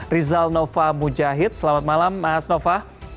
rizal nova mujahid selamat malam mas nova